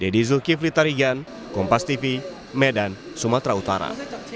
ditarikan kompastv medan sumatera utara